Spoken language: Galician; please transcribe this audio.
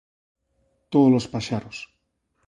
Todos os paxaros.